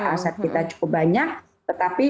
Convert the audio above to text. aset kita cukup banyak tetapi